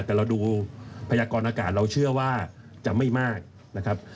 แต่เราดูพยากรอากาศเราเชื่อว่าจะไม่มากนะครับ